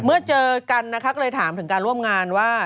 เจอกันนะคะก็เลยถามถึงการร่วมงานว่า